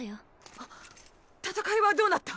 あっ戦いはどうなった？